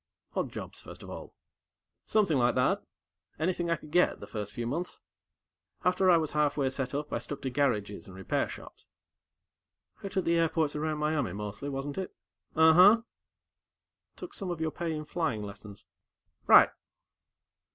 "Odd jobs, first of all?" "Something like that. Anything I could get, the first few months. After I was halfway set up, I stuck to garages and repair shops." "Out at the airports around Miami, mostly, wasn't it?" "Ahuh." "Took some of your pay in flying lessons." "Right."